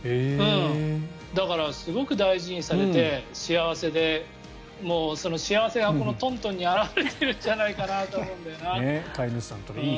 だからすごく大事にされて幸せでその幸せがこのトントンに表れてるんじゃないかなと思うんだよな。